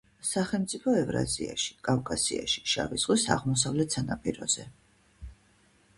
სახელმწიფო ევრაზიაში, კავკასიაში, შავი ზღვის აღმოსავლეთ სანაპიროზე.